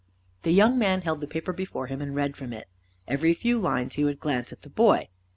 The young man held the paper before him, and read from it. Every few lines he would glance at the boy.